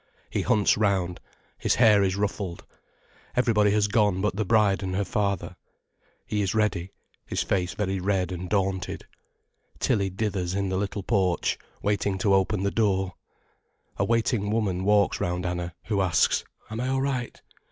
He hunts round—his hair is ruffled. Everybody has gone but the bride and her father. He is ready—his face very red and daunted. Tilly dithers in the little porch, waiting to open the door. A waiting woman walks round Anna, who asks: "Am I all right?"